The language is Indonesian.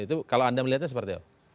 itu kalau anda melihatnya seperti apa